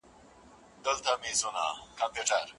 عاقله او بالغه نجلۍ خپلواک نظر لري.